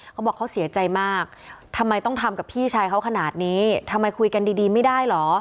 เขาบอกเขาเสียใจมากทำไมต้องทำกับพี่ชายเขาขนาดนี้ทำไมคุยกันดีดีไม่ได้เหรอ